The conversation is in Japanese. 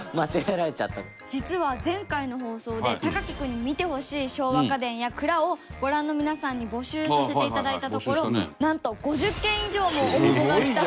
実は前回の放送で隆貴君に見てほしい昭和家電や蔵をご覧の皆さんに募集させていただいたところなんと５０件以上も応募がきたそうです。